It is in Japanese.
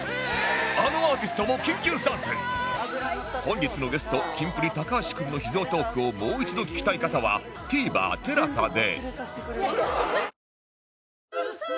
あのアーティストも緊急参戦本日のゲストキンプリ橋君の秘蔵トークをもう一度聞きたい方は ＴＶｅｒＴＥＬＡＳＡ で